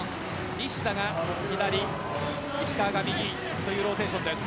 西田が左、石川が右というローテーションです。